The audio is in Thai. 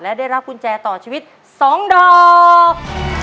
และได้รับกุญแจต่อชีวิต๒ดอก